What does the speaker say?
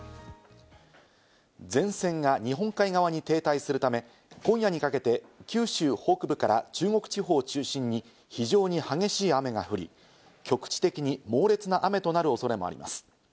前線が日本海側に停滞するため、今夜にかけて九州北部から中国地方を中心に非常に激しい雨が降り、局地的に猛烈な雨となる恐れもあります。